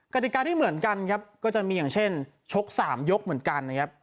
กติกาที่เหมือนกันครับก็จะมีอย่างเช่นชก๓ยกเหมือนกันนะครับ